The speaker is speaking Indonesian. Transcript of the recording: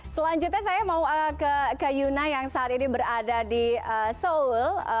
selanjutnya saya mau ke yuna yang saat ini berada di seoul